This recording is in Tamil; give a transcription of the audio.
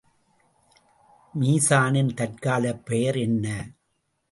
மீசானின் தற்காலப் பெயர் என்ன?